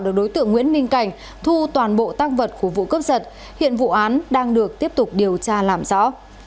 được đối tượng nguyễn minh cảnh thu toàn bộ tác vật của vụ cướp giật hiện vụ án đang được tiếp tục điều tra làm rõ